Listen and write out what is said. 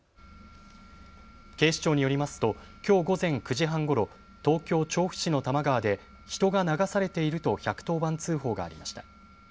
警視庁によりますときょう午前９時半ごろ、東京調布市の多摩川で人が流されていると１１０番通報がありました。